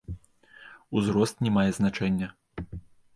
Узрост не мае значэння.